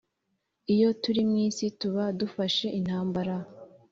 iyo turi mw isi tuba dufashe intambara